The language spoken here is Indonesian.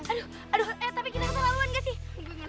aduh eh tapi kita kesalahuan gak sih